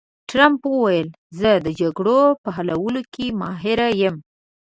ټرمپ وویل، زه د جګړو په حلولو کې ماهر یم.